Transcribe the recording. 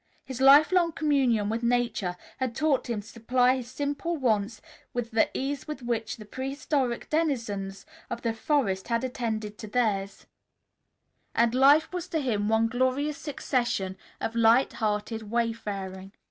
His life long communion with Nature had taught him to supply his simple wants with the ease with which the prehistoric denizens of the forest had attended to theirs, and life was to him one glorious succession of light hearted wayfaring.